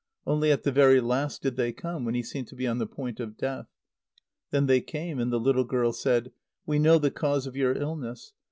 Only at the very last did they come, when he seemed to be on the point of death. Then they came, and the little girl said: "We know the cause of your illness.